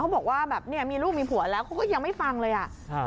บอกว่าแบบเนี่ยมีลูกมีผัวแล้วเขาก็ยังไม่ฟังเลยอ่ะ